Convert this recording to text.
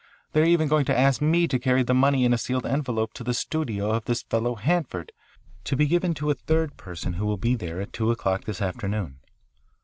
They are even going to ask me to carry the money in a sealed envelope to the studio of this fellow Hanford, to be given to a third person who will be there at two o'clock this afternoon."